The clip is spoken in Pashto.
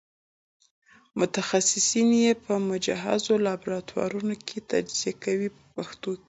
متخصصین یې په مجهزو لابراتوارونو کې تجزیه کوي په پښتو کې.